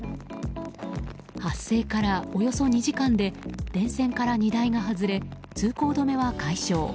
発生からおよそ２時間で電線から荷台が外れ通行止めは解消。